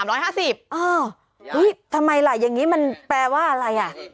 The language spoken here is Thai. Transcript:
ทำไมล่ะอย่างนี้มันแปลว่าอะไรอ่ะ